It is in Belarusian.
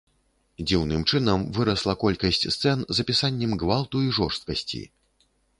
Дзіўным чынам вырасла колькасць сцэн з апісаннем гвалту і жорсткасці.